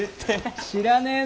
知らねえなぁ。